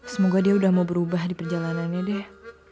semoga dia udah mau berubah di perjalanannya deh